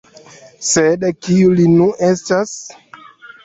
Sed kiu li nu estas?.